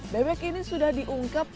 bebek ini sudah diungkap